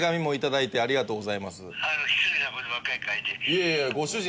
いやいやご主人